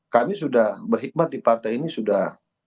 kami sudah berhikmat di partai ini sudah